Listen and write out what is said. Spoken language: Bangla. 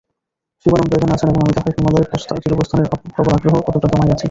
শিবানন্দ এখানে আছেন এবং আমি তাহার হিমালয়ে চিরপ্রস্থানের প্রবল আগ্রহ কতকটা দমাইয়াছি।